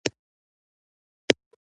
جنگ ارزښتونه او دین زیانمنوي.